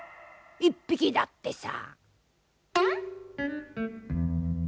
１匹だってさ。